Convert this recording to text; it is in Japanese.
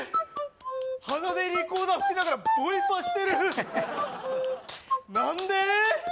鼻でリコーダー吹きながらボイパしてる何で？